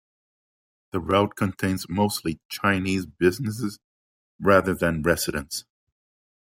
The route contains mostly Chinese businesses, rather than residents.